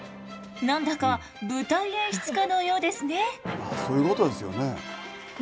何だか舞台演出家のようですね。